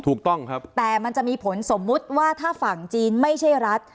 ถูกต้องครับแต่มันจะมีผลสมมุติว่าถ้าฝั่งจีนไม่ใช่รัฐ